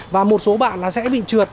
và một số bạn sẽ bị trượt